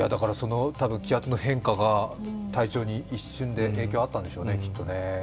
多分、気圧の変化が体調に一瞬で影響あったんでしょうね。